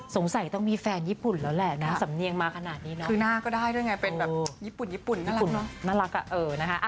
สงสัยต้องมีแฟนญี่ปุ่นแล้วแหละนะสำเนียงมาขนาดนี้เนาะคือหน้าก็ได้ด้วยไงเป็นแบบญี่ปุ่นญี่ปุ่นน่ารักเนาะญี่ปุ่นน่ารักอ่ะเออนะคะ